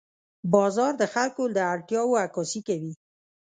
بازار د خلکو د اړتیاوو عکاسي کوي.